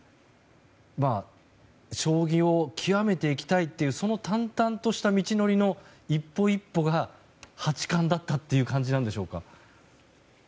将棋を極めていきたいというその淡々とした道のりの一歩一歩が八冠だったという感じなんでしょうか。